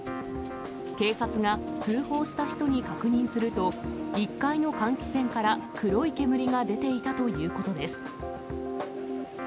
警察が通報した人に確認すると、１階の換気扇から黒い煙が出ていたということです。